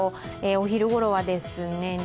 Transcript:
お昼ごろはですね、